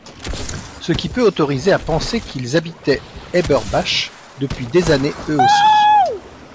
Ce qui peut autoriser à penser qu'ils habitaient Eberbach depuis des années eux aussi.